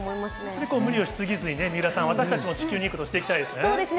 結構無理をし過ぎずに、水卜さん、私たちも地球にいいこと、していきたいですね。